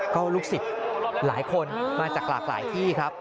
ก็ลูกศิษย์หลายคนมาจากหลากหลายที่ครับ